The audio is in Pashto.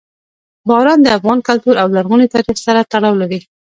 باران د افغان کلتور او لرغوني تاریخ سره تړاو لري.